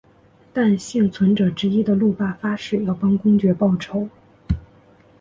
使幸存者之一的路霸发誓要帮公爵报仇。